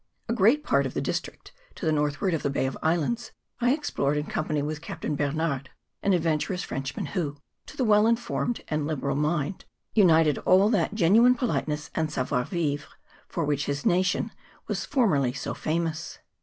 A great part of the district to the northward of the Bay of Islands I explored in company with Captain Bernard, an adventurous Frenchman, who, 198 NORTHERN ISLAND. [PART II. to a well informed and liberal mind, united all that genuine politeness and savoir vivre for which his nation was formerly so famous.